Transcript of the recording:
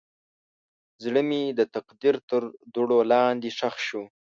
زړه مې د تقدیر تر دوړو لاندې ښخ شو.